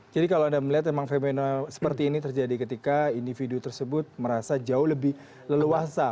jadi kalau anda melihat memang femenal seperti ini terjadi ketika individu tersebut merasa jauh lebih leluasa